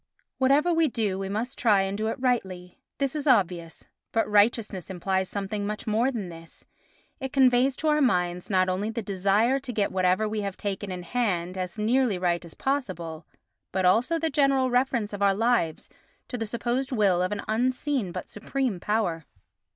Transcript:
Whatever we do we must try and do it rightly—this is obvious—but righteousness implies something much more than this: it conveys to our minds not only the desire to get whatever we have taken in hand as nearly right as possible, but also the general reference of our lives to the supposed will of an unseen but supreme power.